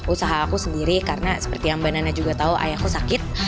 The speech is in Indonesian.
usaha aku sendiri karena seperti yang mbak nana juga tahu ayahku sakit